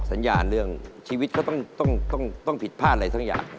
สัญญาเรื่องชีวิตก็ต้องผิดพลาดอะไรสักอย่าง